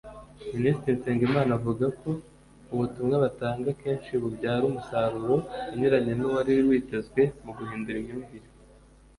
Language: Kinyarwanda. Minisitiri Nsengimana avuga ko ubutumwa batanga akenshi bubyara umusaruro unyuranye n’uwari witezwe mu guhindura imyumvire y’urubyiruko